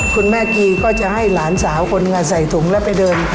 คุณแม่กีก็จะให้หลานสาวคนงานใส่ถุงแล้วไปเดิน